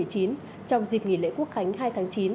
trong dịp nghỉ lễ quốc khánh hai tháng chín